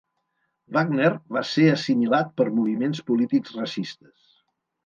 Wagner va ser assimilat per moviments polítics racistes.